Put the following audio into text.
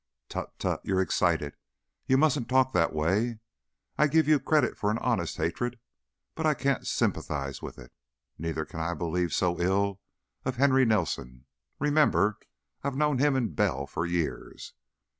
"Tut, tut! You're excited. You mustn't talk like that. I give you credit for an honest hatred, but I can't sympathize with it. Neither can I believe so ill of Henry Nelson. Remember, I've known him and Bell for years."